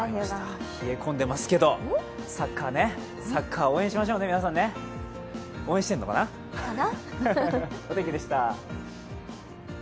冷え込んでますけど、サッカー応援しましょうね、皆さん。応援してるのかな？